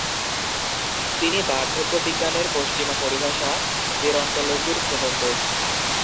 তিনি বার্ধক্যবিজ্ঞানের পশ্চিমা পরিভাষা "জেরন্টোলজি"-র প্রবর্তক।